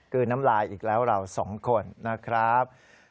น้ำลายอีกแล้วเราสองคนนะครับ